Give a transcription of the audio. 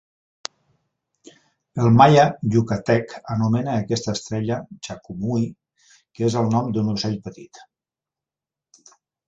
El maia yucatec anomena aquesta estrella "chakumuy", que és el nom d'un ocell petit.